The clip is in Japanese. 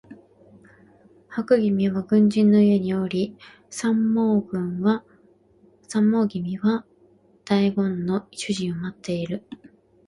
白君は軍人の家におり三毛君は代言の主人を持っている